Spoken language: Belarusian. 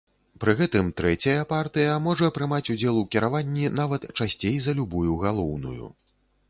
Пры гэтым трэцяя партыя можа прымаць удзел у кіраванні нават часцей за любую галоўную.